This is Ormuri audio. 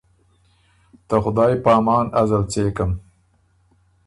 ”ته خدایٛ په امان! ازل څېکم“